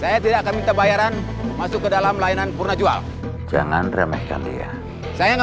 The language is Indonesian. ada ancaman gengguan terhadap saya dari orang yang pernah bekerja sama dengan saya